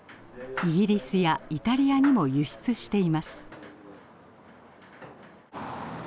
イギリスやイタリアにも輸出しています。